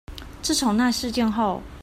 自從那事件後